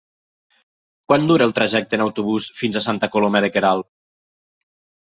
Quant dura el trajecte en autobús fins a Santa Coloma de Queralt?